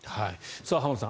浜田さん